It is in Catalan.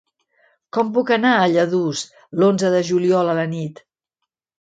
Com puc anar a Lladurs l'onze de juliol a la nit?